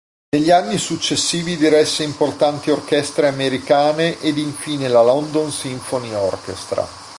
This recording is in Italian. Negli anni successivi diresse importanti orchestre americane ed infine la London Symphony Orchestra.